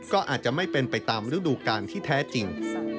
ก็อาจจะไม่เป็นไปตามฤดูกาลที่แท้จริง